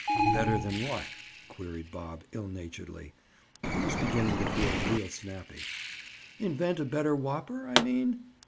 "Better than what?" queried Bob ill naturedly. He was beginning to feel real snappy. "Invent a better whopper, I mean?"